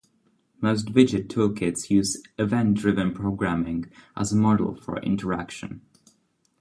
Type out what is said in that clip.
Most widget toolkits use event-driven programming as a model for interaction.